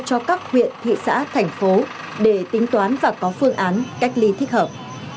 cho các huyện thị xã thành phố để tính toán và có phương án cách ly thích hợp